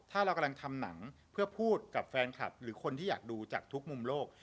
ถ้าเรากำลังทำหนังเพื่อพูดกับแฟนคลับหรือคนที่อยากดูจากทุกมุมโลก